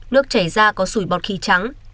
nước chảy ra có sủi bọt khí trắng